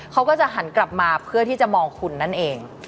เขาก็จะหันกลับมาเพื่อที่จะมองคุณนั่นเอง